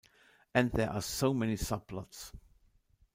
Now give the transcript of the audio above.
And there are so many subplots.